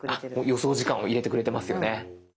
予想時間を入れてくれてますよね。